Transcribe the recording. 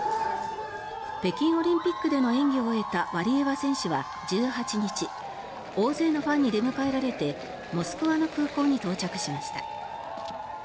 北京オリンピックでの演技を終えたワリエワ選手は１８日大勢のファンに出迎えられてモスクワの空港に到着しました。